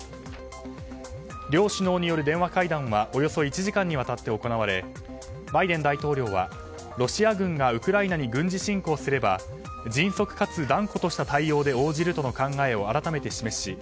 両首脳による電話会談はおよそ１時間にわたって行われバイデン大統領はロシア軍がウクライナに軍事侵攻すれば迅速かつ断固とした対応で応じるとの考えを改めて示し